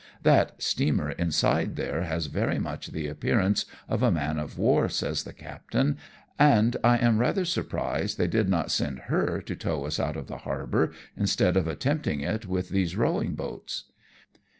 " That steamer inside there has very much the ATTEMPT TO PUT US OUT OF HARBOUR. 137 appearance of a man of war," saj^s the captain, " and I am rather surprised they did not send her to tow us out of the harbour, instead of attempting it with these rowing boats."